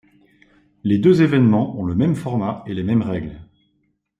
Les deux événements ont le même format et les mêmes règles.